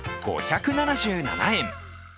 ５７７円。